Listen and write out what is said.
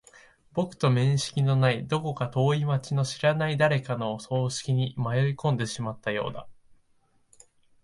僕と面識のない、どこか遠い街の知らない誰かの葬式に迷い込んでしまったようだ。